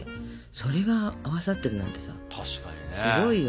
それが合わさってるなんてさすごいよ。